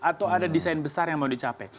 atau ada desain besar yang mau dicapai